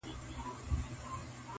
عدالت بايد رامنځته سي ژر,